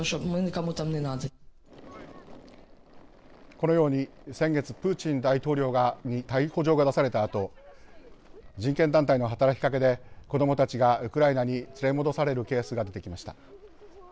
このように先月プーチン大統領に逮捕状が出されたあと人権団体の働きかけで子どもたちがウクライナに連れ戻されるケースが出てきました。